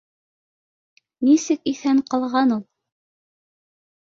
Нисек иҫән ҡалған ул